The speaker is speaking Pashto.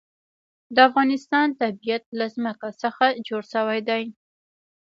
د افغانستان طبیعت له ځمکه څخه جوړ شوی دی.